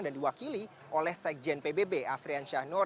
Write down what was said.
dan diwakili oleh sekjen pbb afrian syahnor